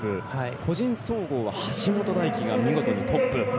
個人総合は橋本大輝が見事にトップ。